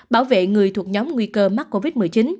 bảo vệ người thuộc nhóm nguy cơ mắc covid một mươi chín